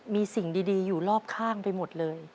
มีสิ่งดีอยู่รอบข้างไปหมดเลย